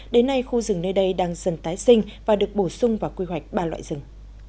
đến nay khu rừng nơi đây đang dần tái sinh và được bổ sung vào quy hoạch ba loại rừng